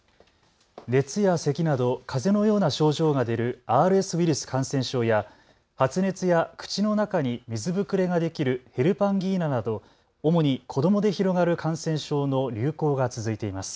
熱やせきなどかぜのような症状が出るＲＳウイルス感染症や発熱や口の中に水ぶくれができるヘルパンギーナなど主に子どもで広がる感染症の流行が続いています。